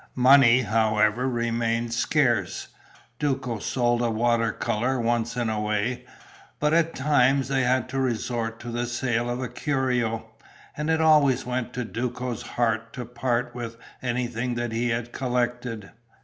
Money, however, remained scarce. Duco sold a water colour once in a way, but at times they had to resort to the sale of a curio. And it always went to Duco's heart to part with anything that he had collected.